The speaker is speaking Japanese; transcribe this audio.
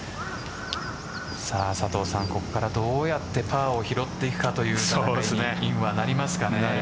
佐藤さん、ここからどうやってパーを拾っていくかというインになりますかね。